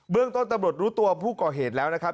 เรื่องต้นตำรวจรู้ตัวผู้ก่อเหตุแล้วนะครับ